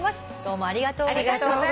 ありがとうございます。